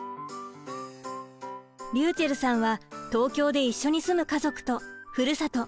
りゅうちぇるさんは東京で一緒に住む家族とふるさと